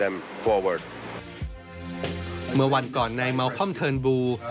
เมื่อวันก่อนนายเมาคอมเทิร์นบู